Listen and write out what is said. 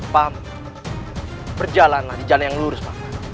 pam berjalanlah di jalan yang lurus pak